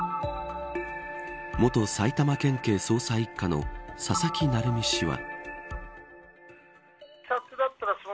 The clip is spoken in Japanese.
元埼玉県警捜査一課の佐々木成三氏は。